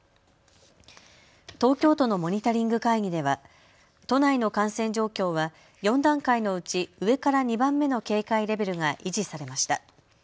東京都のモニタリング会議では都内の感染状況は４段階のうち上から２番目の警戒レベルが維持されました。